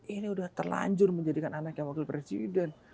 ini udah terlanjur menjadikan anak yang wakil presiden